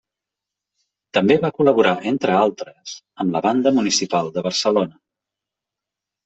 També va col·laborar, entre altres, amb la Banda Municipal de Barcelona.